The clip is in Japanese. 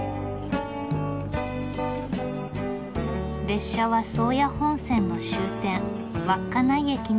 列車は宗谷本線の終点稚内駅に到着しました。